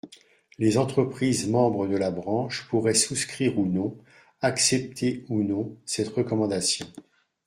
Les entreprises membres de la branche pourraient souscrire ou non, accepter ou non cette recommandation.